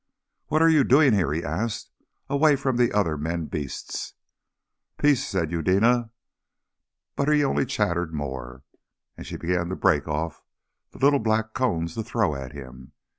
"What are you doing here," he asked, "away from the other men beasts?" "Peace," said Eudena, but he only chattered more, and then she began to break off the little black cones to throw at him.